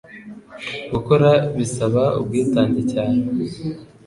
Gukora bisaba ubwitange cyane